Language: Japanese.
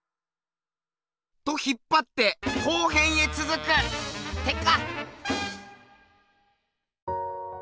と引っぱって後編へつづくってか！